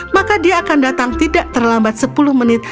maka dia akan datang tidak terlambat sepuluh menit